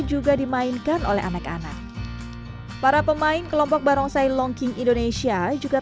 juga dimainkan oleh anak anak para pemain kelompok barongsai longking indonesia juga